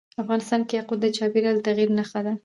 افغانستان کې یاقوت د چاپېریال د تغیر نښه ده.